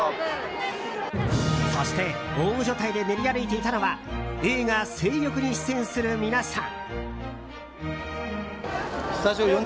そして、大所帯で練り歩いていたのは映画「正欲」に出演する皆さん。